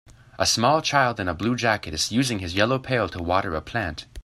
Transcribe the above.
A small child in a blue jacket is using his yellow pale to water a plant.